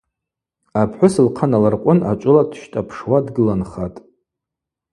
Апхӏвыс лхъа налыркъвын ачӏвыла дщтӏапшуа дгыланхатӏ.